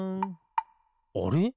あれ？